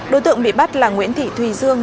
đối tượng bị bắt là nguyễn thị thùy dương